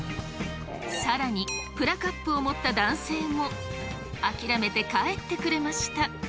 更にプラカップを持った男性も諦めて帰ってくれました。